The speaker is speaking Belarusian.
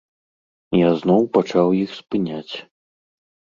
Я зноў пачаў іх спыняць.